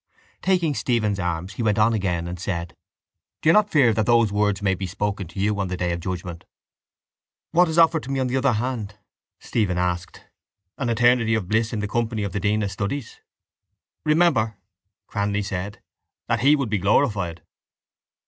Taking Stephen's arm, he went on again and said: —Do you not fear that those words may be spoken to you on the day of judgement? —What is offered me on the other hand? Stephen asked. An eternity of bliss in the company of the dean of studies? —Remember, Cranly said, that he would be glorified.